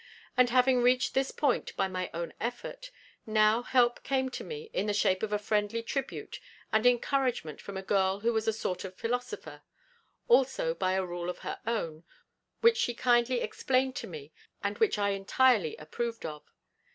And having reached this point by my own effort, now help came to me in the shape of a friendly tribute and encouragement from a girl who was a sort of philosopher, also by a rule of her own, which she kindly explained to me, and which I entirely approved of.